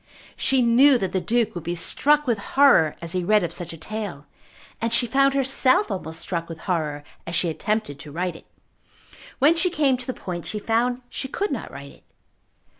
She knew that the Duke would be struck with horror as he read of such a tale, and she found herself almost struck with horror as she attempted to write it. When she came to the point she found she could not write it.